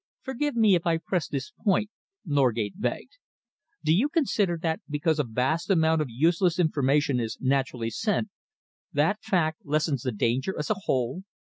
"Forgive me if I press this point," Norgate begged. "Do you consider that because a vast amount of useless information is naturally sent, that fact lessens the danger as a whole?